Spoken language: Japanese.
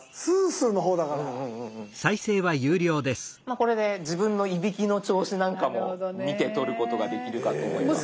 これで自分のいびきの調子なんかも見て取ることができるかと思います。